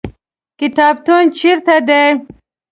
کتابتون چیرته دی؟